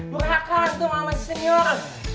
berhakar antum sama senior